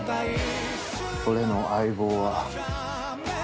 俺の相棒は。